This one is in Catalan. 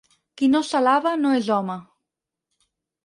Qui no s'alaba, no és home.